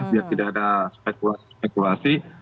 biar tidak ada spekulasi